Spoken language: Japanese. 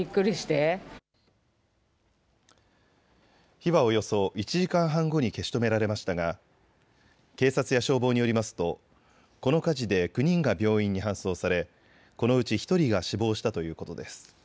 火はおよそ１時間半後に消し止められましたが警察や消防によりますとこの火事で９人が病院に搬送されこのうち１人が死亡したということです。